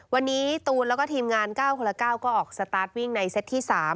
วันนี้ตูนแล้วก็ทีมงาน๙คนละ๙ก็ออกสตาร์ทวิ่งในเซตที่๓